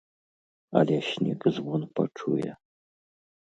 А ляснік звон пачуе.